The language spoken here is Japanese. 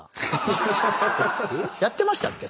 やってましたっけ？